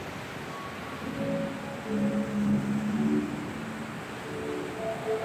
光泽布纹螺为布纹螺科布纹螺属下的一个种。